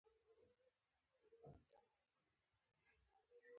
نوې تخنیکونه موټر خوندي کوي.